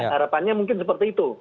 harapannya mungkin seperti itu